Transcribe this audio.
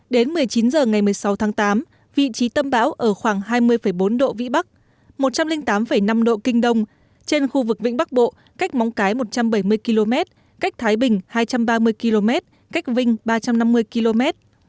đến một mươi chín h ngày một mươi sáu tháng tám vị trí tâm bão ở khoảng hai mươi bốn độ vĩ bắc một trăm linh tám năm độ kinh đông trên khu vực vĩnh bắc bộ cách móng cái một trăm bảy mươi km cách thái bình hai trăm ba mươi km cách vinh ba trăm năm mươi km